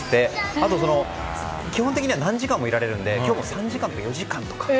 あとは基本的には何時間もいられるので今日も３時間とか４時間とか。